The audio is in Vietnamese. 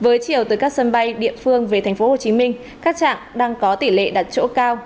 với chiều từ các sân bay địa phương về tp hcm các trạng đang có tỷ lệ đặt chỗ cao